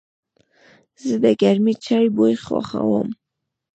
زه د گرمې چای بوی خوښوم.